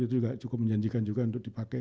itu juga cukup menjanjikan juga untuk dipakai